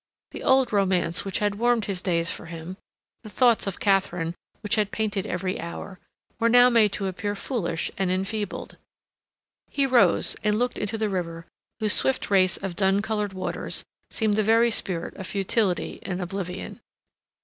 The old romance which had warmed his days for him, the thoughts of Katharine which had painted every hour, were now made to appear foolish and enfeebled. He rose, and looked into the river, whose swift race of dun colored waters seemed the very spirit of futility and oblivion.